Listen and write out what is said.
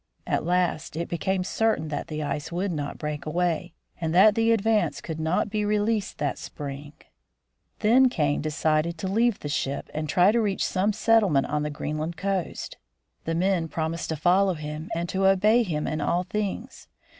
At last it became certain that the ice would not break away, and that the Advance could not be released that spring. Si 52 THE FROZEN NORTH Then Kane decided to leave the ship and try to reach some settlement on the Greenland coast. The men prom ised to follow him and to obey him in all things.